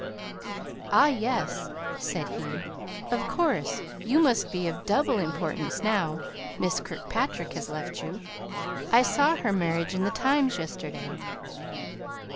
"Ah, yes!" said he. "Of course you must be of double importance now Miss Kirkpatrick has left you. I saw her marriage in The Times yesterday."